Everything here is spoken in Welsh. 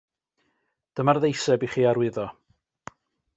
Dyma'r ddeiseb i chi arwyddo.